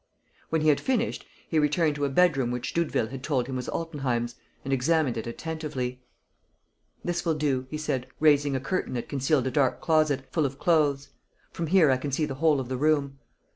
When he had finished, he returned to a bedroom which Doudeville had told him was Altenheim's, and examined it attentively: "This will do," he said, raising a curtain that concealed a dark closet, full of clothes. "From here I can see the whole of the room."